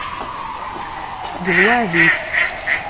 Ṭṭef deg lweɛd-ik.